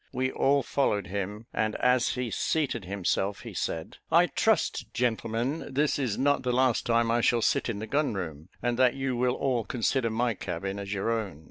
We all followed him; and as he seated himself, he said "I trust, gentlemen, this is not the last time I shall sit in the gun room, and that you will all consider my cabin as your own.